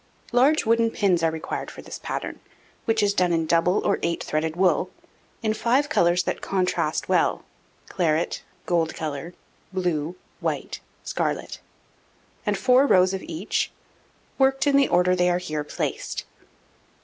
Large wooden pins are required for this pattern, which is done in double or eight threaded wool, in 5 colours that contrast well claret, gold colour, blue, white, scarlet; and 4 rows of each, worked in the order they are here placed.